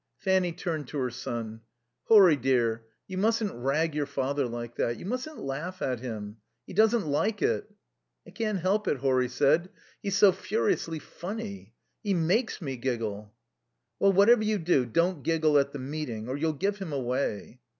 Fanny turned to her son. "Horry dear, you mustn't rag your father like that. You mustn't laugh at him. He doesn't like it." "I can't help it," Horry said. "He's so furiously funny. He makes me giggle." "Well, whatever you do, don't giggle at the meeting, or you'll give him away."